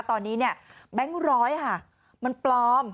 ตอนนี้เนี่ยแบงค์ร้อยค่ะมันปลอม